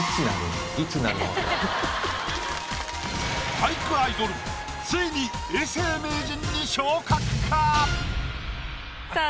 俳句アイドルついに永世名人に昇格か⁉さあ